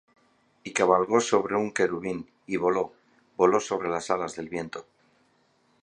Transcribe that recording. Y cabalgó sobre un querubín, y voló: Voló sobre las alas del viento.